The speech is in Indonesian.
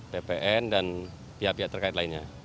bpn dan pihak pihak terkait lainnya